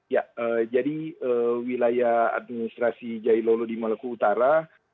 ya jadi wilayah administrasi jailolo di maluku utara